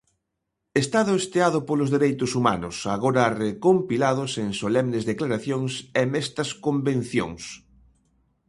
Estado esteado polos dereitos humanos, agora recompilados en solemnes declaracións e mestas convencións.